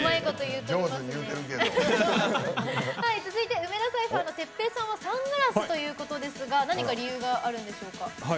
続いて梅田サイファーのｔｅｐｐｅｉさんは「サングラス」ということですが何か理由があるんでしょうか？